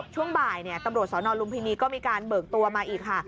ช่วงบ่ายตำรวจสนลุมพินีก็มีการเบิกตัวมาอีกค่ะ